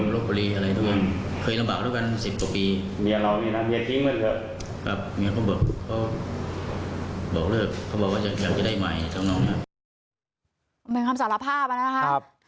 เหมือนคำสารภาพมานะครับ